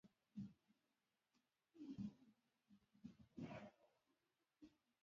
Asteazken honetan jokatuko dira final-laurdenetako itzuliko partidak.